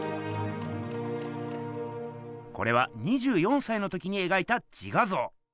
これは２４さいの時にえがいた「自画像」。